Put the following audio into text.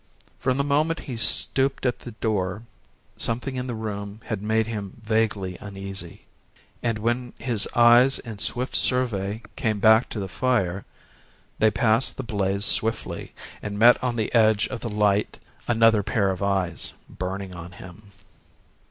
From the moment he stooped at the door something in the room had made him vaguely uneasy, and when his eyes in swift survey came back to the fire, they passed the blaze swiftly and met on the edge of the light another pair of eyes burning on him.